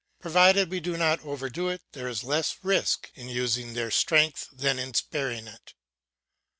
Provided we do not overdo it, there is less risk in using their strength than in sparing it.